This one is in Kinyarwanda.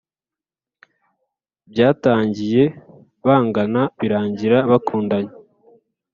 byatangiye bangana birangira bakundanye